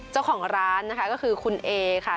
เจ้าของร้านนะคะก็คือคุณเอค่ะ